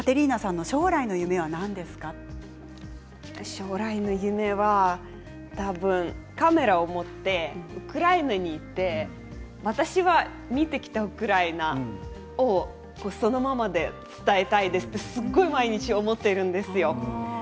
将来の夢は多分、カメラを持ってウクライナに行って私が見てきたウクライナをそのまま伝えたいですと、毎日思っているんですよ。